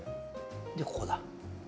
でここだ。